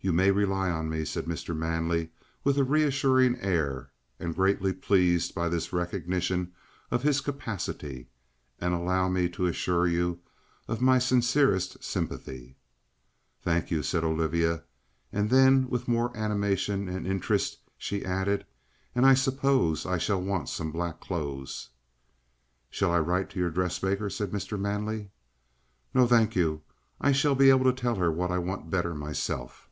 "You may rely on me," said Mr. Manley, with a reassuring air, and greatly pleased by this recognition of his capacity. "And allow me to assure you of my sincerest sympathy." "Thank you," said Olivia, and then with more animation and interest she added: "And I suppose I shall want some black clothes." "Shall I write to your dressmaker?" said Mr. Manley. "No, thank you. I shall be able to tell her what I want better myself."